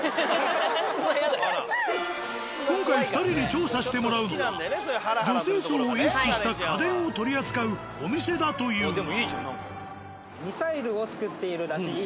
今回２人に調査してもらうのは女性層を意識した家電を取り扱うお店だというが。